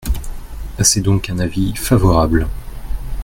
C’est donc un avis favorable.